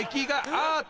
アート。